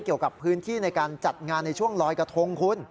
เกี่ยวกับพื้นที่ในการจัดงานในช่วงลอยกระทงคุณ